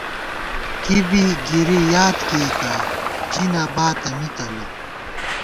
کی بی گِری یاد کېئیکہ، ژی نَہ باتہ مِتہ می